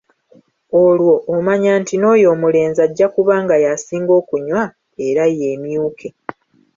Olwo omanya nti n'oyo omulenzi ajja kuba nga yasinga okunywa era yeemyuke.